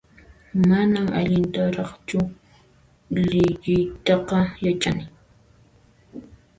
Manan allintaraqchu liyiytaqa yachani